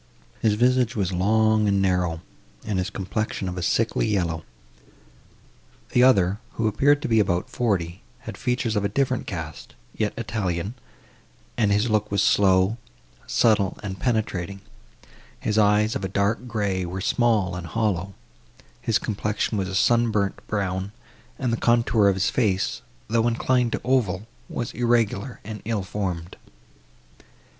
His visage was long and narrow, and his complexion of a sickly yellow. The other, who appeared to be about forty, had features of a different cast, yet Italian, and his look was slow, subtle and penetrating; his eyes, of a dark grey, were small, and hollow; his complexion was a sun burnt brown, and the contour of his face, though inclined to oval, was irregular and ill formed.